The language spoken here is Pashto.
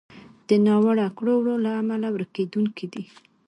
د ناوړو کړو وړو له امله ورکېدونکی دی.